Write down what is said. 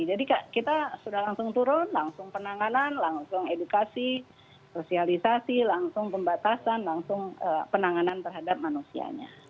jadi kita sudah langsung turun langsung penanganan langsung edukasi sosialisasi langsung pembatasan langsung penanganan terhadap manusianya